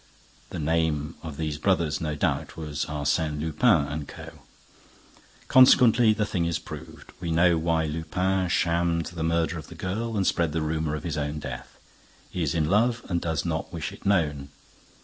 The name of these brothers, no doubt, was Arsène Lupin & Co. Consequently, the thing is proved. We know why Lupin shammed the murder of the girl and spread the rumor of his own death. He is in love and does not wish it known.